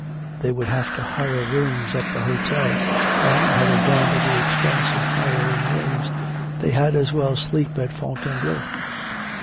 They would have to hire rooms at the hotel, and, having gone to the expense of hiring rooms, they had as well sleep at Fontainebleau.